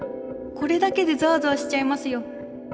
これだけでザワザワしちゃいますよ。